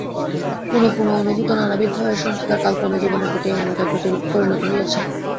পুনঃপুন অনুভূত নানাবিধ ভয়ের সংস্কার কালক্রমে জীবনের প্রতি এই মমতায় পরিণত হইয়াছে।